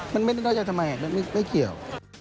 มันไม่มีน้อยใจทำไมมันไม่เกี่ยว